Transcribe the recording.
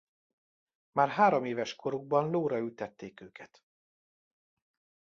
Már három éves korukban lóra ültették őket.